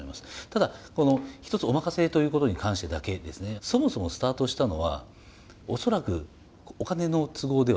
ただこの一つおまかせということに関してだけですねそもそもスタートしたのは恐らくお金の都合ではないような気がするんですね。